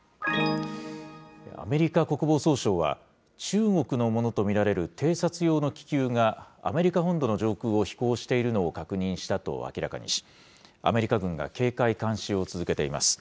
アメリカ国防総省は、中国のものと見られる偵察用の気球が、アメリカ本土の上空を飛行しているのを確認したと明らかにし、アメリカ軍が警戒監視を続けています。